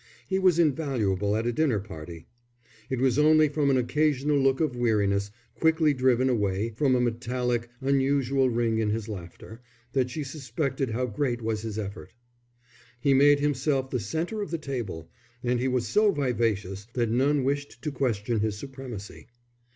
He was invaluable at a dinner party. It was only from an occasional look of weariness, quickly driven away, from a metallic, unusual ring in his laughter, that she suspected how great was his effort. He made himself the centre of the table, and he was so vivacious that none wished to question his supremacy.